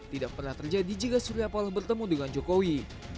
tidak pernah terjadi jika surya paloh bertemu dengan jokowi